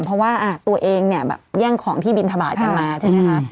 เพราะว่าตัวเองแย่งของที่บิณฑบาตกันมาใช่ไหมคะ